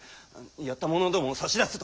やった者どもを差し出せと。